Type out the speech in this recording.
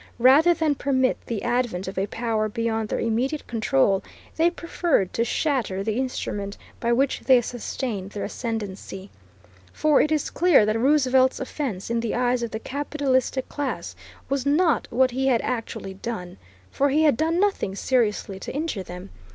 Rather than permit the advent of a power beyond their immediate control, they preferred to shatter the instrument by which they sustained their ascendancy. For it is clear that Roosevelt's offence in the eyes of the capitalistic class was not what he had actually done, for he had done nothing seriously to injure them.